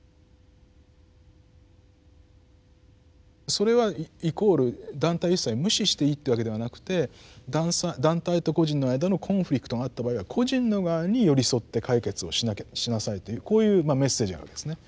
それはイコール団体を一切無視していいっていうわけではなくて団体と個人の間のコンフリクトがあった場合は個人の側に寄り添って解決をしなさいというこういうメッセージがあるんですね。